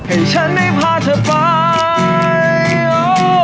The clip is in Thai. ให้ฉันได้พาเธอไปโอ้